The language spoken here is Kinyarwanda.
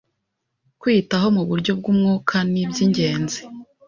Kwiyitaho mu buryo bw’umwuka ni iby’ingenzi